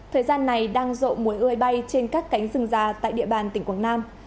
thời gian này đang rộ mùi ươi bay trên các cánh rừng già tại địa bàn tỉnh quảng nam